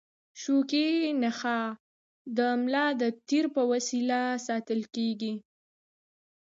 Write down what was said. شوکي نخاع د ملا د تیر په وسیله ساتل کېږي.